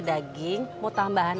tapi buat nanya nya